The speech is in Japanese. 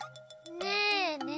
・ねえねえ。